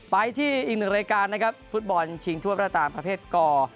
ไปที่อีกหนึ่งรายการนะครับฟุตบอลชิงทั่วประตามประเภทก